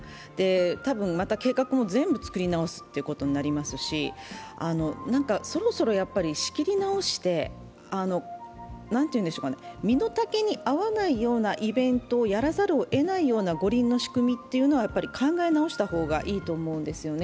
多分、また計画も全部作り直すことになりますし、そろそろ仕切り直して、身の丈に合わないようなイベントをやらざるをえないような五輪の仕組みというのは考え直した方がいいと思うんですよね。